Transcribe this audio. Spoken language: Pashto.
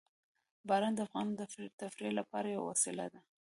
باران د افغانانو د تفریح لپاره یوه وسیله ده.